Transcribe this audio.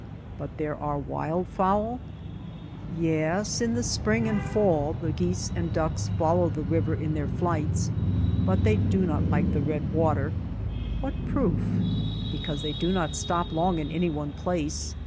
But there are wild fowl ? Yes ; in the spring and fall the geese and ducks follow the river in their flights, but they do not like the red water. What proof ? Because they do not stop long in any one place.